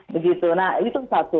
begitu nah itu satu